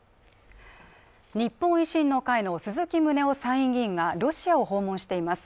日本維新の会の鈴木宗男参院議員がロシアを訪問しています。